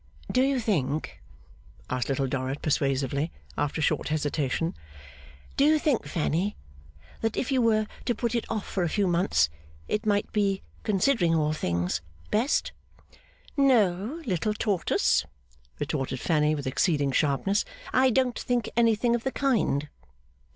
'Do you think,' asked Little Dorrit, persuasively, after a short hesitation, 'do you think, Fanny, that if you were to put it off for a few months, it might be, considering all things, best?' 'No, little Tortoise,' retorted Fanny, with exceeding sharpness. 'I don't think anything of the kind.